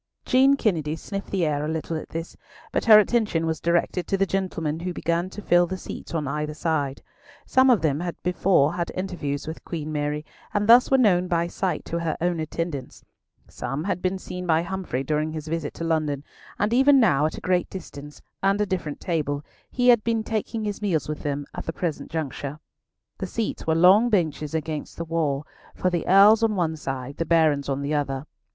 Jean Kennedy sniffed the air a little at this, but her attention was directed to the gentlemen who began to fill the seats on either side. Some of them had before had interviews with Queen Mary, and thus were known by sight to her own attendants; some had been seen by Humfrey during his visit to London; and even now at a great distance, and a different table, he had been taking his meals with them at the present juncture. The seats were long benches against the wall, for the Earls on one side, the Barons on the other.